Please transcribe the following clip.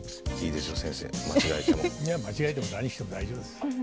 いや間違えても何しても大丈夫です。